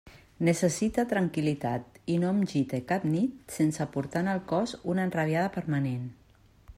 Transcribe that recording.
Necessite tranquil·litat, i no em gite cap nit sense portar en el cos una enrabiada permanent.